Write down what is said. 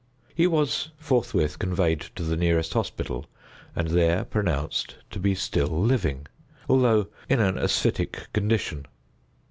He was forthwith conveyed to the nearest hospital, and there pronounced to be still living, although in an asphytic condition.